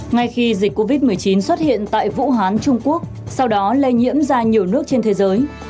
ngay khi dịch covid một mươi chín xuất hiện tại vũ hán trung quốc sau đó lây nhiễm ra nhiều nước trên thế giới